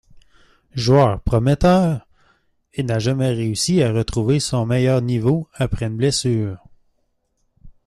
Joueur prometteur, il n'a jamais réussi à retrouver son meilleur niveau après une blessure.